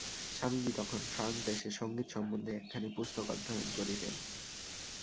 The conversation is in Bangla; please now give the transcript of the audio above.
স্বামীজী তখন ফ্রান্স দেশের সঙ্গীত সম্বন্ধে একখানি পুস্তক অধ্যয়ন করিতেন।